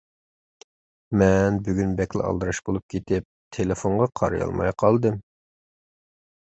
مەن بۈگۈن بەكلا ئالدىراش بولۇپ كېتىپ، تېلېفونغا قارىيالماي قالدىم.